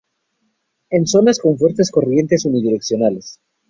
En zonas con fuertes corrientes unidireccionales.